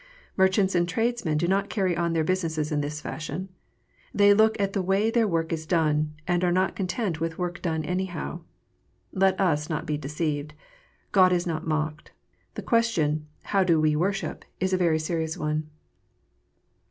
Merchants and tradesmen do not carry on their business in this fashion. They look at the way their work is done, and are not content with work done anyhow. Let us not be deceived. God is not mocked. The question, "How do we worship?" is a very serious one.